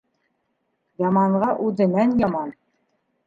Яманға үҙенән яман.